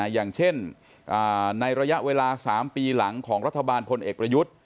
อย่างเช่นในระยะเวลา๓ปีหลังของรัฐบาลพลเอกประยุทธ์